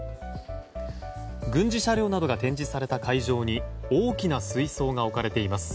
軍事車両などが展示された会場に大きな水槽が置かれています。